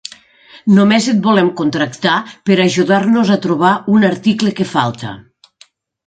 Només et volem contractar per ajudar-nos a trobar un article que falta.